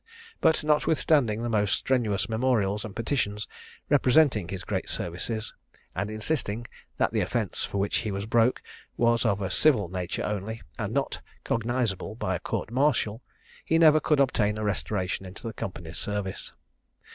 But notwithstanding the most strenuous memorials and petitions representing his great services, and insisting that the offence for which he was broke was of a civil nature only, and not cognizable by a court martial, he never could obtain a restoration into the Company's service.